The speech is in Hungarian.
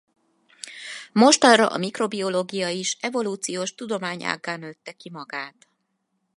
Mostanra a mikrobiológia is evolúciós tudományággá nőtte ki magát.